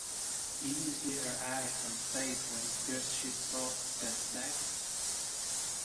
Did you see her eyes and face when first she saw that sack?